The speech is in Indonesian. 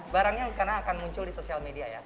barangnya karena akan muncul di sosial media ya